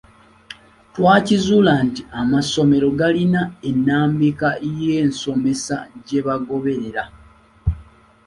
Twakizuula nti amasomero gaalina ennambika y’ensomesa gye bagoberera.